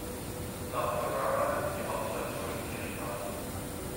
South Tarawa ist die Hauptstadt von Kiribati.